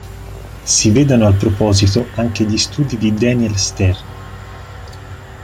Si vedano al proposito anche gli studi di Daniel Stern.